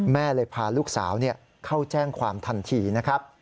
แม่เลยพาลูกสาวเข้าแจ้งความทันทีนะครับ